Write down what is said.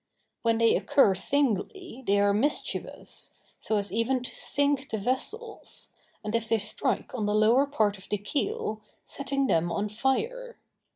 When they occur singly they are mischievous, so as even to sink the vessels, and if they strike on the lower part of the keel, setting them on fire.